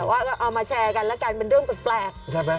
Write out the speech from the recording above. แต่ว่าเอามาแชร์กันแล้วกันเป็นเรื่องตัดแปลก